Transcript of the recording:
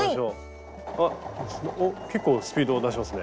あっおっ結構スピード出しますね。